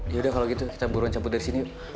yaudah kalau gitu kita buruan campur dari sini